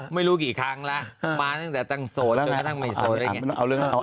ไม่รู้กี่ครั้งแล้วมาตั้งแต่ตั้งโสดจนกระทั่งไม่โสดได้ไง